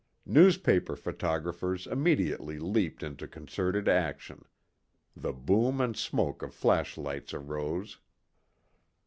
Newspaper photographers immediately leaped into concerted action. The boom and smoke of flashlights arose.